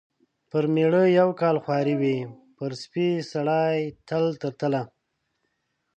پر مېړه یو کال خواري وي ، پر سپي سړي تل تر تله .